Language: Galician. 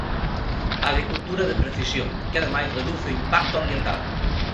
Agricultura de precisión, que ademais reduce o impacto ambiental.